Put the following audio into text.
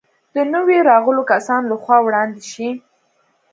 د نویو راغلو کسانو له خوا وړاندې شي.